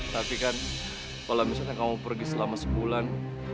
tapi kan kalau misalnya kamu pergi selama sebulan